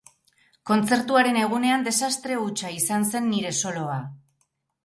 Kontzertuaren egunean, desastre hutsa izan zen nire soloa.